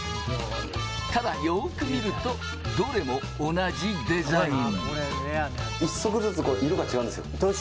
ただよく見ると、どれも同じデザイン。